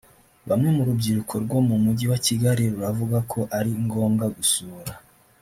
Bamwe mu rubyiruko rwo mu mujyi wa Kigali ruravuga ko ari ngombwa gusura